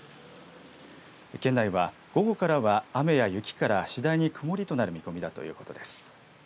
県内は午後からは雨や雪から次第に曇りとなる見込みだということです。